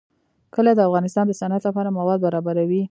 کلي د افغانستان د صنعت لپاره مواد برابروي.